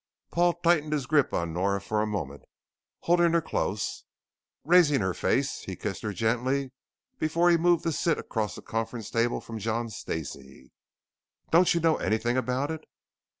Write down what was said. Paul tightened his grip on Nora for a moment, holding her close. Raising her face, he kissed her gently before he moved to sit across the conference table from John Stacey. "Don't you know anything about it?"